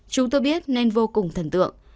chúng tôi biết nên vô cùng thần tượng